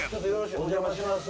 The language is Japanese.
お邪魔します。